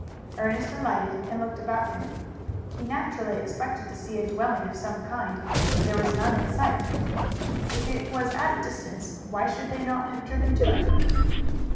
Ernest alighted and looked about him. He naturally expected to see a dwelling of some kind, but there was none in sight. If it was at a distance, why should they not have driven to it?